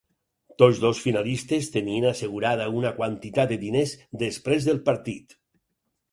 Tots dos finalistes tenien assegurada una quantitat de diners després del partit.